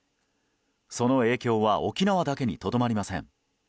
その影響は沖縄だけにとどまりません。